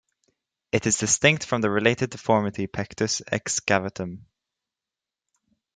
It is distinct from the related deformity pectus excavatum.